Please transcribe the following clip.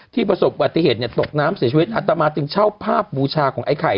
ประสบวัติเหตุตกน้ำเสียชีวิตอัตมาจึงเช่าภาพบูชาของไอ้ไข่